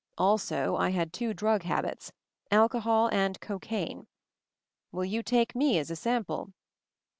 Also I had two drug habits — alchohol and cocaine. Will | you take me as a sample?"